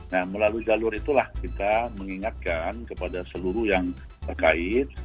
nah melalui jalur itulah kita mengingatkan kepada seluruh yang terkait